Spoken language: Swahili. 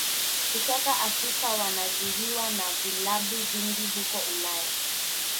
kutoka Afrika wanaajiriwa na vilabu vingi huko Ulaya